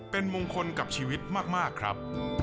เป็นมงคลกับชีวิตมากครับ